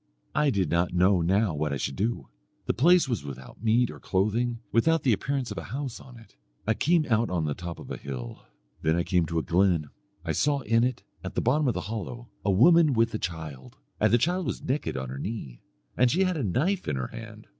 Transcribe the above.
I did not know now what I should do. The place was without meat or clothing, without the appearance of a house on it. I came out on the top of a hill. Then I came to a glen; I saw in it, at the bottom of a hollow, a woman with a child, and the child was naked on her knee, and she had a knife in her hand.